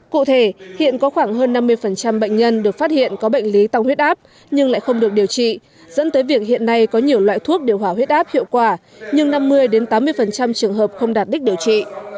cụ thể hiện có khoảng hơn năm mươi bệnh nhân được phát hiện có bệnh lý tăng huyết áp nhưng lại không được điều trị dẫn tới việc hiện nay có nhiều loại thuốc điều hỏa huyết áp hiệu quả nhưng năm mươi tám mươi trường hợp không đạt đích điều trị